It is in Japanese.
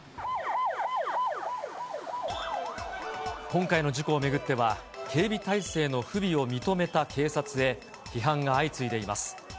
今回の事故を巡っては、警備態勢の不備を認めた警察へ、批判が相次いでいます。